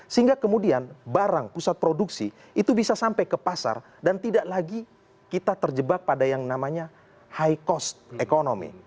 sehingga kemudian barang pusat produksi itu bisa sampai ke pasar dan tidak lagi kita terjebak pada yang namanya high cost economy